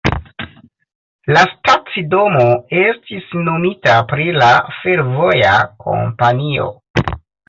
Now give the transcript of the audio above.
La stacidomo estis nomita pri la fervoja kompanio.